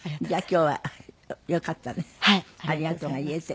ありがとうが言えて。